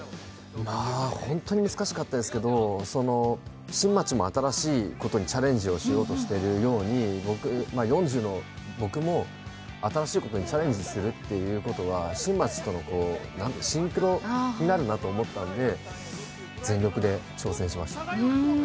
まあ、本当に難しかったですけれども、新町も新しいことにチャレンジしようとしているように、４０の僕も新しいことにチャレンジするということは新町とのシンクロになるなと思ったんで、全力で挑戦しました。